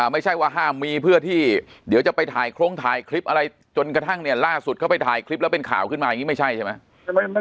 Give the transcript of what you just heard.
ไม่ใช่ว่าห้ามมีเพื่อที่เดี๋ยวจะไปถ่ายโครงถ่ายคลิปอะไรจนกระทั่งเนี่ยล่าสุดเขาไปถ่ายคลิปแล้วเป็นข่าวขึ้นมาอย่างนี้ไม่ใช่ใช่ไหม